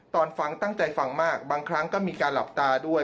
ตอนฟังตั้งใจฟังมากบางครั้งก็มีการหลับตาด้วย